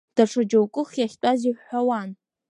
Даҽаџьоукых иахьтәаз иҳәҳәауан…